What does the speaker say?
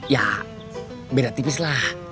ya beda tipislah